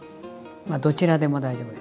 まあどちらでも大丈夫です。